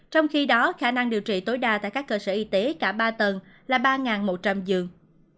trong khi đó khả năng điều trị tối đa tại các cơ sở y tế cả ba tầng là ba một trăm linh giường